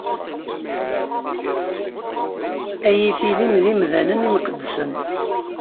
Ad yi-tilim d imdanen imqeddsen.